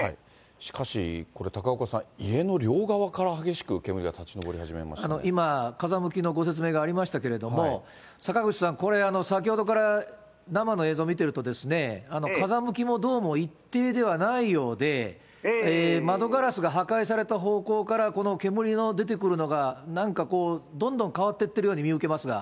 しかしこれ、高岡さん、家の両側から激しく煙が立ち上り始め今、風向きのご説明がありましたけれども、坂口さん、これ、先ほどから生の映像見ていると、風向きもどうも一定ではないようで、窓ガラスが破壊された方向からこの煙の出てくるのが、なんかこう、どんどん変わっていってるように見受けますが。